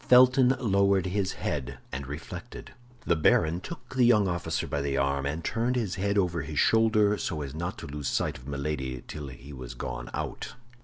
Felton lowered his head and reflected. The baron took the young officer by the arm, and turned his head over his shoulder, so as not to lose sight of Milady till he was gone out.